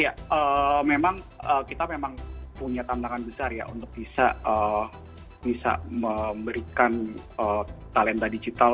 ya memang kita memang punya tantangan besar ya untuk bisa memberikan talenta digital